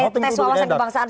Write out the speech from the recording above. tes wawasan kebangsaan